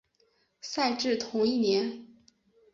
赛制同前一年。